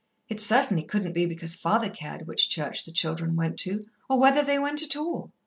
It certainly couldn't be because father cared which church the children went to, or whether they went at all.